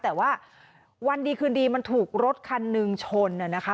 แต่ว่าวันดีคืนดีมันถูกรถคันหนึ่งชนนะคะ